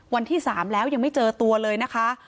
วันที่๓แล้วยังไม่เจอตัวเลยนะคะ